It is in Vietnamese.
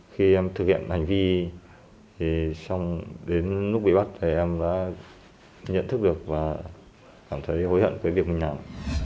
khi em thực hiện hành vi thì xong đến lúc bị bắt thì em đã nhận thức được và cảm thấy hối hận với việc mình làm